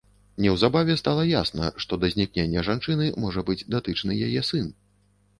Неўзабаве стала ясна, што да знікнення жанчыны можа быць датычны яе сын.